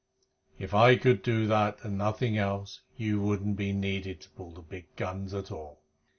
"If I could do that and nothing else, you wouldn't be needed to pull the big guns at all.